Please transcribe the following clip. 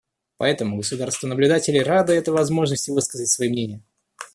Поэтому государства-наблюдатели рады этой возможности высказать свои мнения.